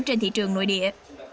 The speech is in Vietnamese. trên thị trường nội địa